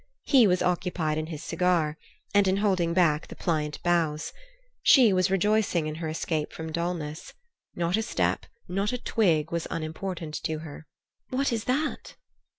He was occupied in his cigar, and in holding back the pliant boughs. She was rejoicing in her escape from dullness. Not a step, not a twig, was unimportant to her. "What is that?"